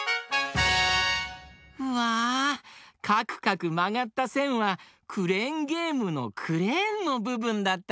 うわかくかくまがったせんはクレーンゲームのクレーンのぶぶんだったのか！